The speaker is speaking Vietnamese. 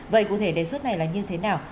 vậy cụ thể đề xuất này là như thế nào